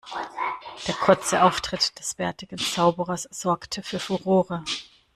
Der kurze Auftritt des bärtigen Zauberers sorgte für Furore.